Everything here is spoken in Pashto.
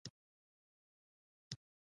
د رب دا ستر کلام په مینه او له تجوید سره سم ولولو